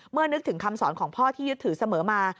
นึกถึงคำสอนของพ่อที่ยึดถือเสมอมา